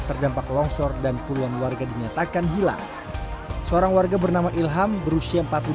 terjampak longsor dan puluhan warga dinyatakan hilang seorang warga bernama ilham berusia empat puluh delapan